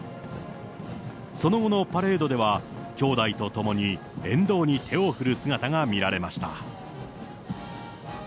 その後のパレードでは、きょうだいとともに沿道に手を振る姿が見られました。